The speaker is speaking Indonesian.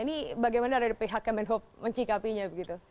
ini bagaimana dari pihak kemenhop mencikapinya